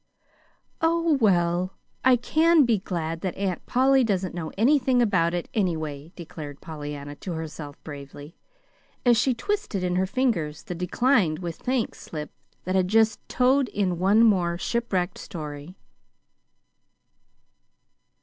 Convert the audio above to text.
"Oh, well, I can be glad that Aunt Polly doesn't know anything about it, anyway," declared Pollyanna to herself bravely, as she twisted in her fingers the "declined with thanks" slip that had just towed in one more shipwrecked story.